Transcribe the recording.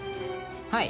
はい。